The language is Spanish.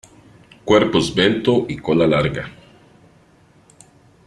Cuerpo esbelto y cola larga.